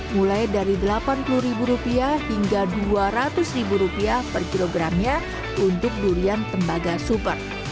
mulai dari rp delapan puluh hingga rp dua ratus per kilogramnya untuk durian tembaga super